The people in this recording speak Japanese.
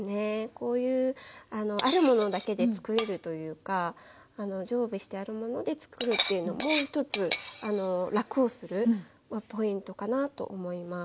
こういうあるものだけで作れるというか常備してあるもので作るっていうのも一つ楽をするポイントかなと思います。